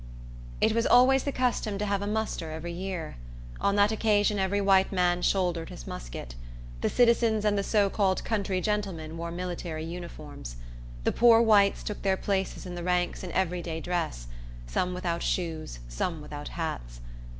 It was always the custom to have a muster every year. On that occasion every white man shouldered his musket. The citizens and the so called country gentlemen wore military uniforms. The poor whites took their places in the ranks in every day dress, some without shoes, some without hats.